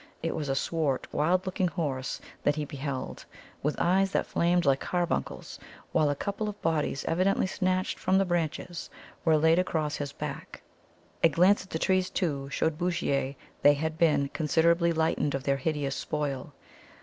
It was a swart, wild looking horse that he beheld, with eyes that flamed like carbuncles, while a couple of bodies, evidently snatched from the branches, were laid across his back. A glance at the trees, too, showed Bouchier that they had been considerably lightened of their hideous spoil.